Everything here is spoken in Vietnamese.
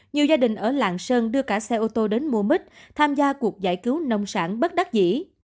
nhiều gia đình ở lạng sơn đưa cả xe ô tô đến mua mít tham gia cuộc giải cứu nông sản bất đắc dĩ